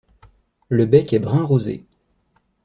Le bec est brun rosé.